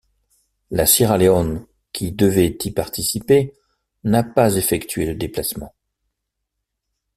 La Sierra Leone qui devait y participer n'a pas effectué le déplacement.